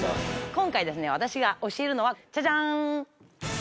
今回私が教えるのはジャジャン！